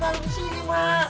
iya ya kurang ajak